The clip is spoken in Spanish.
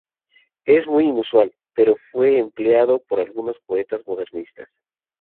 Es muy inusual, pero fue empleado por algunos poetas modernistas.